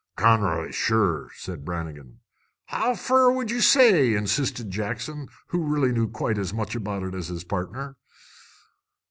"Conroy's, sure," said Brannigan. "How fur, would ye say?" insisted Jackson, who really knew quite as much about it as his partner.